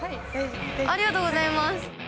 ありがとうございます。